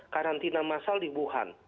karantina massal di wuhan